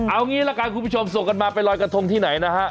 เอางี้ละกันคุณผู้ชมส่งกันมาไปลอยกระทงที่ไหนนะฮะ